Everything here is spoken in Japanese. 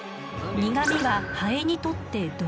苦みはハエにとって毒。